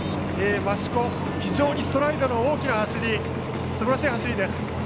増子、非常にストライドの大きなすばらしい走りです。